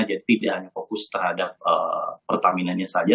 jadi tidak hanya fokus terhadap pertaminannya saja